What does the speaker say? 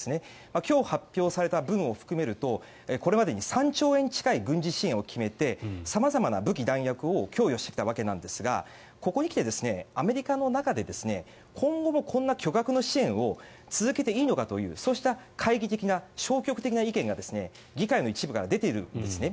今日発表された分を含めるとこれまでに３兆円近い規模の軍事支援を決めて様々な武器弾薬を供与してきたわけなんですがここに来て、アメリカの中で今後もこんな巨額な支援を続けていいのかというそういった懐疑的な消極的な意見が議会の一部から出ているんですね。